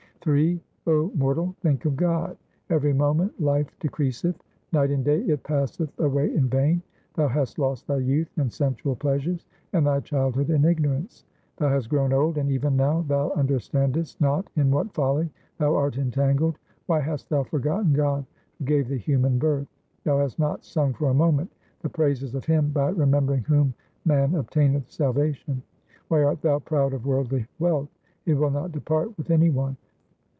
Ill 0 mortal, think of God : Every moment life decreaseth ; night and day it passeth away in vain. Thou hast lost thy youth in sensual pleasures and thy childhood in ignorance ; Thou hast grown old and even now thou understandest not in what folly thou art entangled. Why hast thou forgotten God who gave thee human birth ? Thou hast not sung for a moment the praises of Him by remembering whom man obtaineth salvation. Why art thou proud of worldly wealth ? it will not depart with any one.